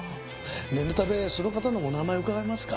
念のためその方のお名前を伺えますか？